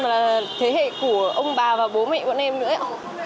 mà là thế hệ của ông bà và bố mẹ bọn em nữa